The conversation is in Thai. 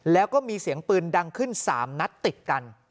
แล้วก็มีเสียงปืนดังขึ้น๓นัดติดกัน